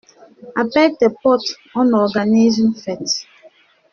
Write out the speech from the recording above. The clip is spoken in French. Appelle tes potes on organise une fête.